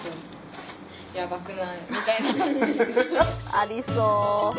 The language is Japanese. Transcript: ありそう。